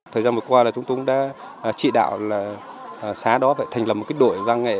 thời gian vừa qua chúng tôi đã trị đạo xá đó thành một đội doanh nghệ